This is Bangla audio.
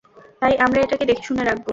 তাই আমরা এটাকে দেখে-শুনে রাখব।